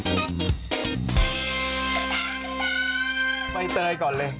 ใบเตยก่อนเลย